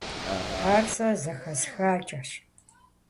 Ар сэ зэхэсхакӏэщ.